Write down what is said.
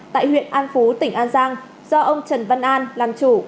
tại huyện an phú tỉnh an giang do ông trần văn an làm chủ